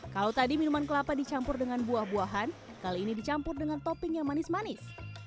kalau tadi minuman kelapa dicampur dengan buah buahan kali ini dicampur dengan topping yang manis manis